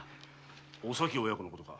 おさき親子のことか？